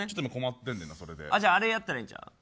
じゃああれやったらええんちゃう。